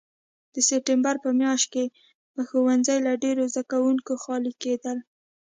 د سپټمبر په میاشت کې به ښوونځي له ډېرو زده کوونکو خالي کېدل.